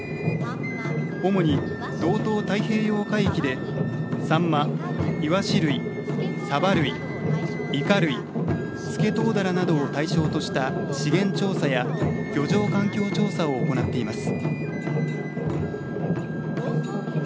主に道東太平洋海域でサンマ、イワシ類、サバ類イカ類、スケトウダラなどを対象とした資源調査や漁場環境調査を行っています。